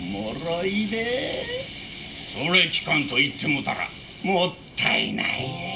それ聞かんと行ってもうたらもったいないでえ」。